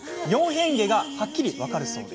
４変化がはっきり分かるそう。